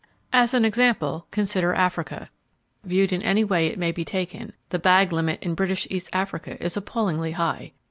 As an example, consider Africa Viewed in any way it may be taken, the bag limit in British East Africa is appallingly high.